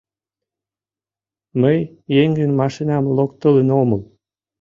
Мый еҥын машинам локтылын омыл.